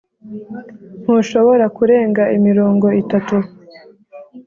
ntushobora kurenga imirongo itatu.